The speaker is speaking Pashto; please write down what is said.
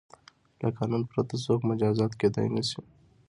له قانون پرته څوک مجازات کیدای نه شي.